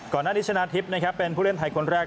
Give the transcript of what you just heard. ก่อนหน้านี้ชนะทิพย์เป็นผู้เล่นไทยคนแรก